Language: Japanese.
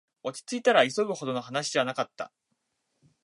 落ちついたら、急ぐほどの話じゃなかった